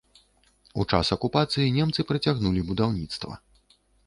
У час акупацыі немцы працягнулі будаўніцтва.